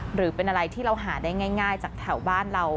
หรือเป็นอะไรที่เราหาได้ง่ายจากแถวบ้านเรา